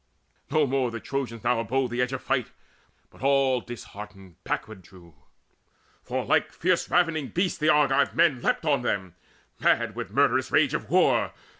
No more the Trojans now abode the edge Of fight, but all disheartened backward drew. For like fierce ravening beasts the Argive men Leapt on them, mad with murderous rage of war.